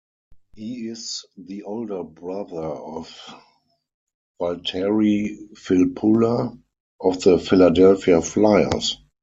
He is the older brother of Valtteri Filppula of the Philadelphia Flyers.